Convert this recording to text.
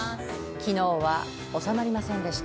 昨日はおさまりませんでした。